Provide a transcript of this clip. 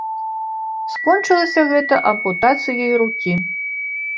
Скончылася гэта ампутацыяй рукі.